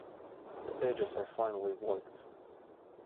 The edges are finely worked.